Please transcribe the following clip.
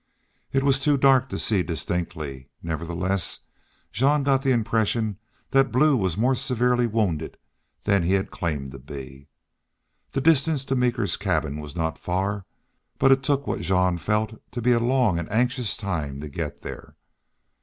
It was too dark to see distinctly; nevertheless, Jean got the impression that Blue was more severely wounded than he had claimed to be. The distance to Meeker's cabin was not far, but it took what Jean felt to be a long and anxious time to get there.